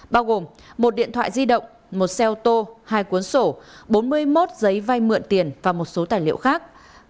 bao gồm một điện thoại di động một xe ô tô hai cuốn sổ bốn mươi một giấy vay mượn tiền và một số tài liệu khác